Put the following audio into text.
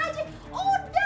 udah grebek aja tuhan doko